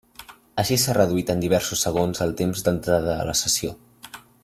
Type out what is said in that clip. Així, s'ha reduït en diversos segons el temps d'entrada a la sessió.